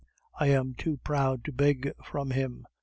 I am too proud to beg from him.